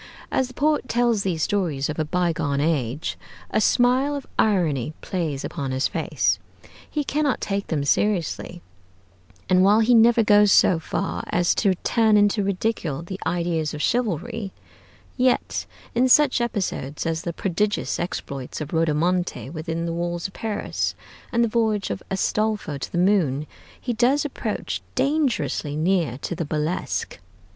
As the poet tells these stories of a bygone age, a smile of irony plays upon his face; he cannot take them seriously; and while he never goes so far as to turn into ridicule the ideals of chivalry, yet, in such episodes as the prodigious exploits of Rodomonte within the walls of Paris, and the voyage of Astolfo to the moon, he does approach dangerously near to the burlesque.